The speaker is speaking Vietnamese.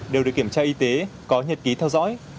đều được kiểm tra y tế có nhật ký theo dõi